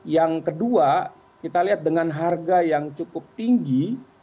yang kedua kita lihat dengan harga yang cukup tinggi